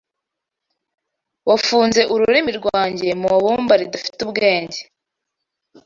Wafunze Ururimi rwanjye mubumba ridafite ubwenge